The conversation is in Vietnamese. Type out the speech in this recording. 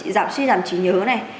giảm suy giảm trí nhớ này